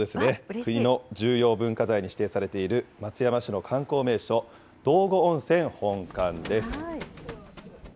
国の重要文化財に指定されている、松山市の観光名所、道後温泉本館です。